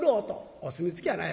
「お墨付きやない。